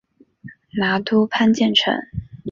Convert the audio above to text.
拿督潘健成